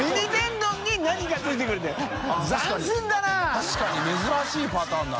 確かに珍しいパターンだな。